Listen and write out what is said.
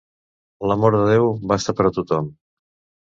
L'amor de Déu basta per a tothom.